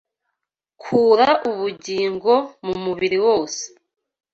Kura ubugingo mu mubiri wose